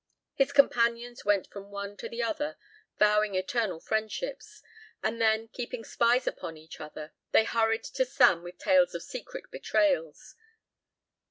His companions went from one to the other vowing eternal friendships, and then, keeping spies upon each other, they hurried to Sam with tales of secret betrayals.